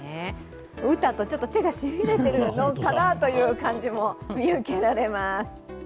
打ったあと、ちょっと手がしびれているのかなという感じも見受けられます。